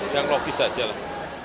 yang logis aja lah